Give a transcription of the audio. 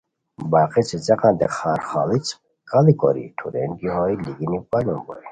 باقی څیڅیقانتے خارخاڑیچ کاڑی کوری ٹھورین کی ہوئے لیگینی پالوم بوئے